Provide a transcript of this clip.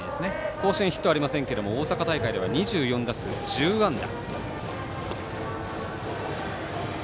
甲子園ではヒットありませんが大阪大会では２４打数１０安打。